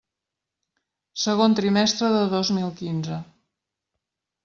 Segon trimestre de dos mil quinze.